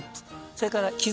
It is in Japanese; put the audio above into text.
それから。